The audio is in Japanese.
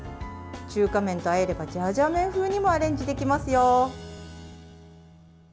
中華麺とあえればジャージャー麺風にもアレンジできますよ。